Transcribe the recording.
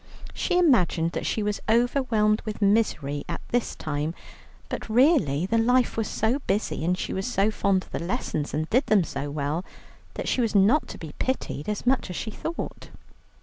She imagined that she was overwhelmed with misery at this time, but really the life was so busy, and she was so fond of the lessons, and did them so well, that she was not to be pitied as much as she thought.